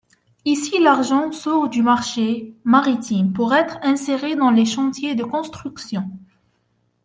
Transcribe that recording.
Ici l'argent sort du marché maritime pour être inséré dans les chantiers de construction.